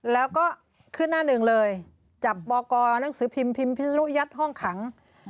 แล้วก็ขึ้นหน้าหนึ่งเลยจับบอกหนังสือพิมพ์พิมพ์พิสุยัดห้องขัง